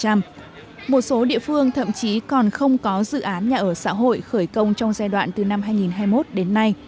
một số địa phương thậm chí còn không có dự án nhà ở xã hội khởi công trong giai đoạn từ năm hai nghìn hai mươi một đến nay